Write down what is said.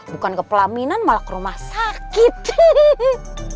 bukan kepelaminan malah ke rumah sakit hehehe